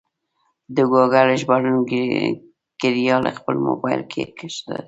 د ګوګل ژباړن کریال خپل مبایل کې کښته کړئ.